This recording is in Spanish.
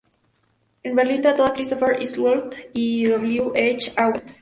En Berlín trató a Christopher Isherwood y W. H. Auden.